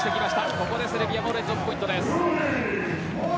ここで、セルビア連続ポイントです。